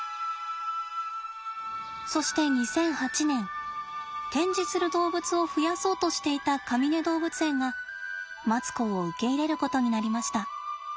そして２００８年展示する動物を増やそうとしていたかみね動物園がマツコを受け入れることになりました。